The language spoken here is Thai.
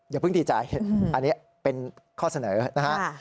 อย่าเพิ่งดีใจอันนี้เป็นข้อเสนอนะฮะ